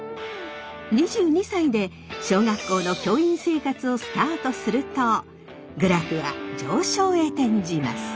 ２２歳で小学校の教員生活をスタートするとグラフは上昇へ転じます。